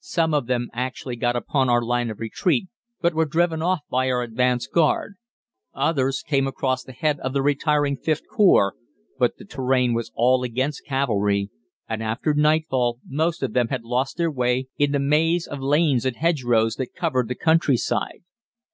"Some of them actually got upon our line of retreat, but were driven off by our advance guard; others came across the head of the retiring Vth Corps, but the terrain was all against cavalry, and after nightfall most of them had lost their way in the maze of lanes and hedgerows that covered the countryside.